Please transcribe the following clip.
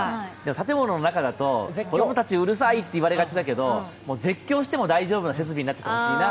建物の中だと、子供たちうるさいって言われがちだけど、絶叫しても大丈夫な設備になっててほしいな。